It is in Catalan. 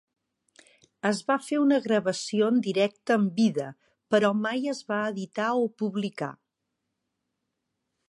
Es va fer una gravació en directe en vida però mai es va editar o publicar.